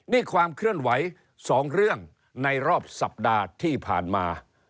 นี่ความเคลื่อนไหว๒เรื่องในรอบสัปดาห์ที่ผ่านมา